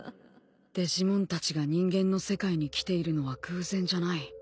デジモンたちが人間の世界に来ているのは偶然じゃない。